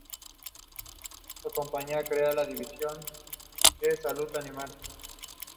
Posteriores señores de Vizcaya y reyes de Castilla confirmarían los fueros de la villa.